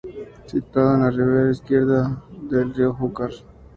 Situado en la ribera izquierda del río Júcar.